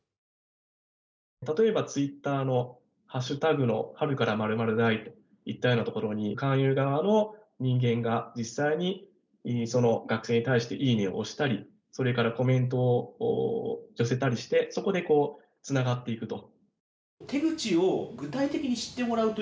例えばツイッターのハッシュタグの春から○○大学といったところに、勧誘側の人間が実際に、その学生に対していいねを押したり、それからコメントを寄せたりして、そこでつながっていくと。